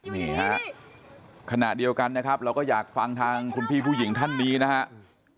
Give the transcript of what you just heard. นี่ฮะขณะเดียวกันนะครับเราก็อยากฟังทางคุณพี่ผู้หญิงท่านนี้นะครับ